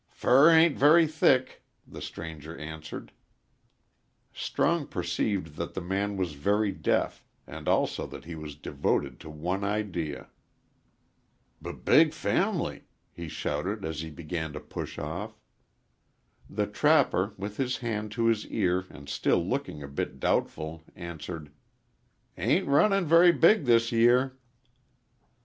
"Fur ain't very thick," the stranger answered. Strong perceived that the man was very deaf and also that he was devoted to one idea. "B big fam'ly," he shouted, as he began to push off. The trapper, with his hand to his ear and still looking a bit doubtful, answered, "Ain't runnin' very big this year."